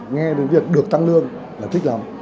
nghe được việc được tăng lương là thích lắm